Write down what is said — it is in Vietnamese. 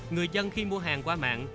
người dân khi mua hàng qua mạng